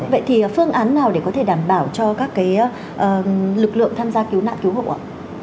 vậy thì phương án nào để có thể đảm bảo cho các lực lượng tham gia cứu nạn cứu hộ ạ